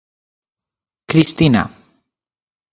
Cristina.